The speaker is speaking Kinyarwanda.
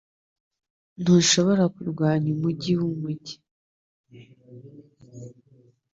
Ntushobora kurwanya umujyi wumujyi